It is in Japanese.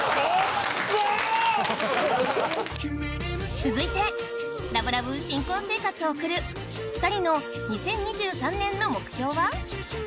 続いてラブラブ新婚生活を送る２人の２０２３年の目標は？